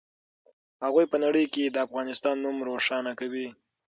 هغوی په نړۍ کې د افغانستان نوم روښانه کوي.